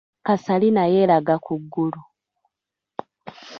Kasalina yalega ku ggulu.